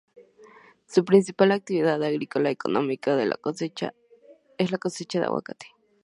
Su principal actividad agrícola económica es la cosecha de Aguacate.